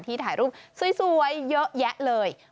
ถ่ายรูปสวยเยอะแยะเลย